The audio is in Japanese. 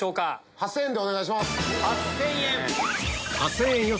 ８０００円でお願いします。